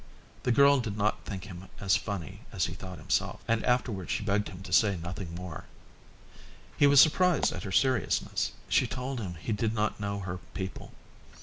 The girl did not think him as funny as he thought himself, and afterwards she begged him to say nothing more. He was surprised at her seriousness. She told him he did not know her people.